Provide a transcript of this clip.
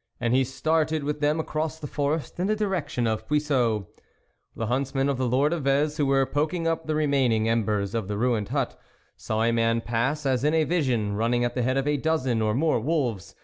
" And he started with them across the forest in the direction of Puiseux. The huntsmen of the Lord of Vez, who were poking up the remaining embers of the ruined hut, saw a man pass, as in a vision, run ning at the head of a dozen or more wolves.